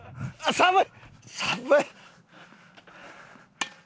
寒い！